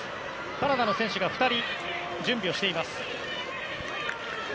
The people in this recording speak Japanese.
カナダの選手が２人準備をしています。